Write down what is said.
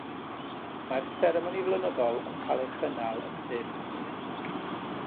Mae'r seremoni flynyddol yn cael ei chynnal yn y Deyrnas Unedig.